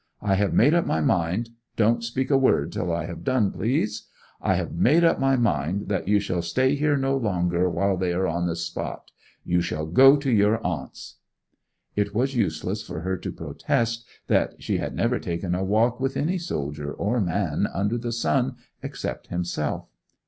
I have made up my mind—don't speak a word till I have done, please!—I have made up my mind that you shall stay here no longer while they are on the spot. You shall go to your aunt's.' It was useless for her to protest that she had never taken a walk with any soldier or man under the sun except himself.